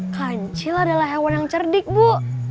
kancil adalah hewan yang cerdik bu